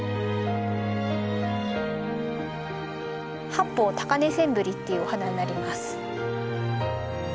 ハッポウタカネセンブリっていうお花になります。